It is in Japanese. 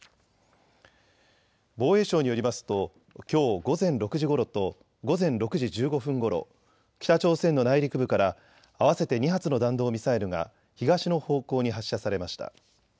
防衛省によりますときょう午前６時ごろと午前６時１５分ごろ、北朝鮮の内陸部から合わせて２発の弾道ミサイルが東の方向に発射されました。